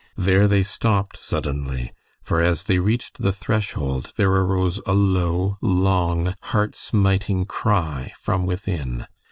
There they stopped suddenly, for as they reached the threshold, there arose a low, long, heart smiting cry from within.